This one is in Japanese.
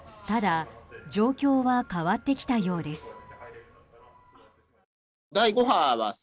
ただ、状況は変わってきたようです。